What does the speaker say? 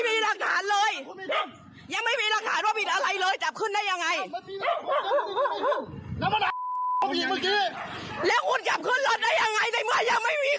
แล้วคุณจับขึ้นรถได้ยังไงในเมื่อยังไม่มีข้อหา